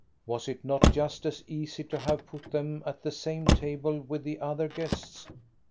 Was it not just as easy to have put them at the same table with the other guests.